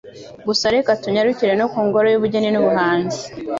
Gusa reka tunyarukire no ku ngoro y' Ubugeni n'Ubuhanzi